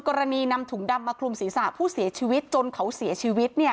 นำถุงดำมาคลุมศีรษะผู้เสียชีวิตจนเขาเสียชีวิต